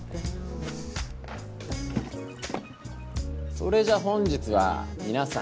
それじゃ本日はみなさん